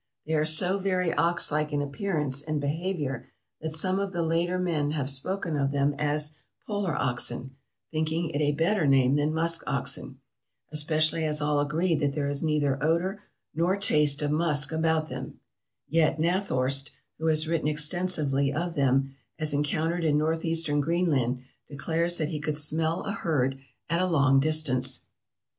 They are so very ox like in appearance and behavior, that some of the later men have spoken of them as "polar oxen," thinking it a better name than musk oxen, especially as all agree that there is neither odor nor taste of musk about them; yet Nathorst, who has written extensively of them, as encountered in northeastern Greenland, declares that he could smell a herd at a long distance.